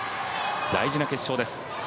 大事な決勝です。